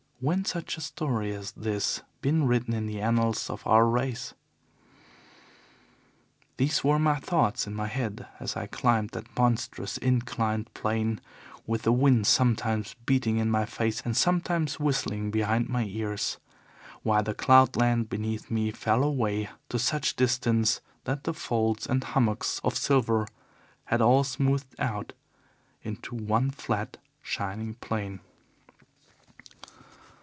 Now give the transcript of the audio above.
When has such a story as this been written in the annals of our race? "These were the thoughts in my head as I climbed that monstrous, inclined plane with the wind sometimes beating in my face and sometimes whistling behind my ears, while the cloud land beneath me fell away to such a distance that the folds and hummocks of silver had all smoothed out into one flat, shining plain.